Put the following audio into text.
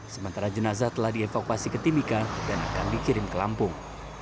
sementara jenazah telah dievakuasi ke timika dan akan dikirim ke lampung